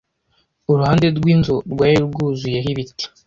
Uruhande rwinzu rwari rwuzuyeho ibiti.